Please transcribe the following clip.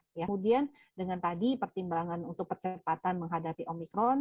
kemudian dengan tadi pertimbangan untuk kecepatan menghadapi omicron